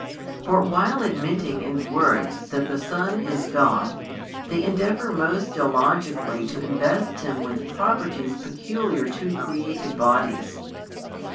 For while admitting in words that the Son is God, they endeavour most illogically to invest Him with properties peculiar to [created] bodies.